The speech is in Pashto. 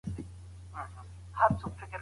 دا سپک نه دئ.